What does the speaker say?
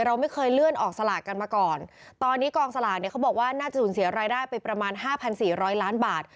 เราไม่เคยเลื่อนออกสลากกันมาก่อนตอนนี้กองสลากเนี่ยเขาบอกว่าน่าจะสูญเสียรายได้ไปประมาณห้าพันสี่ร้อยล้านบาท